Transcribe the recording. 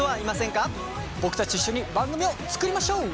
僕たちと一緒に番組を作りましょう！